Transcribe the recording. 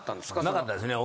なかったですね。